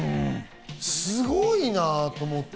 すごいなと思った。